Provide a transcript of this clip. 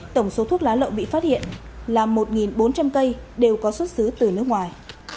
tổng số thuốc lá lậu bị phát hiện là một bốn trăm linh cây đều có xuất xứ từ nước ngoài